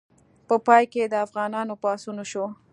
په پای کې د افغانانو پاڅون وشو.